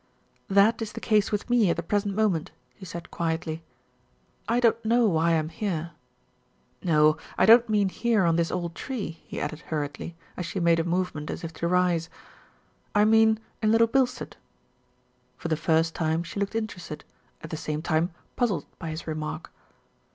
"That is the case with me at the present moment," 270 THE RETURN OF ALFRED he said quietly. "I don't know why I am here. No, I don't mean here on this old tree," he added hurriedly, as she made a movement as if to rise. "I mean in Little Bilstead." For the first time she looked interested, at the same time puzzled by his remark.